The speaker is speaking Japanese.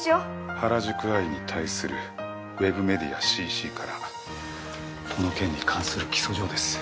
『原宿アイ』に対するウェブメディア『ＣＣ』からこの件に関する起訴状です。